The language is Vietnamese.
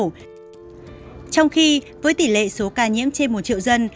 trong khi với tỷ lệ số ca nhiễm trên một triệu dân